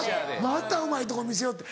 またうまいとこ見せようって。